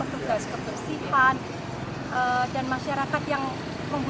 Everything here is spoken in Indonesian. petugas kebersihan dan masyarakat yang membangun